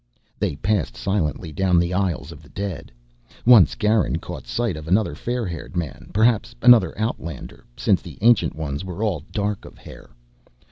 They passed silently down the aisles of the dead. Once Garin caught sight of another fair haired man, perhaps another outlander, since the Ancient Ones were all dark of hair.